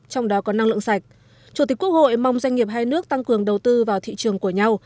trong đó có năng lượng sạch chủ tịch quốc hội mong doanh nghiệp hai nước tăng cường đầu tư vào thị trường của nhau